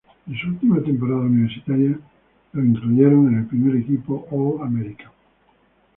En su última temporada universitaria fue incluido en el primer equipo All-American.